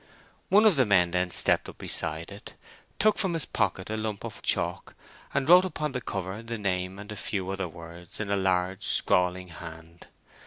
One of the men then stepped up beside it, took from his pocket a lump of chalk, and wrote upon the cover the name and a few other words in a large scrawling hand.